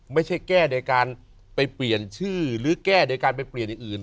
ไม่ใช่แก้โดยการไปเปลี่ยนชื่อหรือแก้โดยการไปเปลี่ยนอย่างอื่น